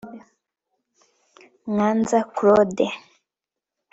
Mwanza Claude